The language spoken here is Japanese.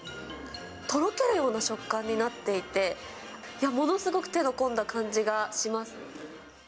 とろけるような食感になっていて、ものすごく手の込んだ感じがします。